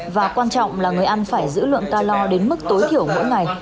và quan trọng là người ăn phải giữ lượng ca lo đến mức tối thiểu mỗi ngày